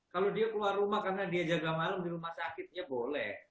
kalau dia keluar rumah karena dia jaga malam di rumah sakitnya boleh